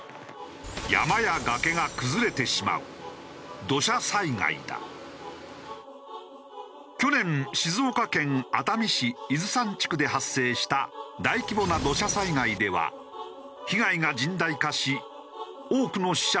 山や崖が崩れてしまう去年静岡県熱海市伊豆山地区で発生した大規模な土砂災害では被害が甚大化し多くの死者を出した。